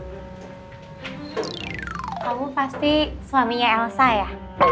kamu pasti suaminya elsa ya